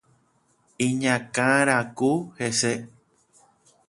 Iñakãraku hese.